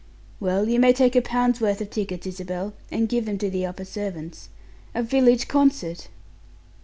"Well, you may take a pound's worth of tickets, Isabel, and give them to the upper servants. A village concert!"